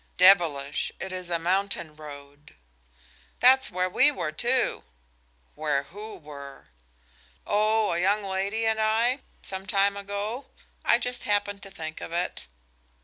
"Devilish. It is a mountain road." "That's where we were, too." "Where who were?" "Oh, a young lady and I, some time ago. I just happened to think of it."